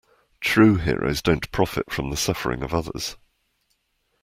True heroes don't profit from the suffering of others.